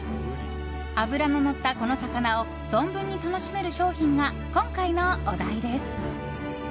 脂ののった、この魚を存分に楽しめる商品が今回のお題です。